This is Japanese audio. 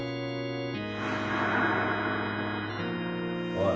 おい。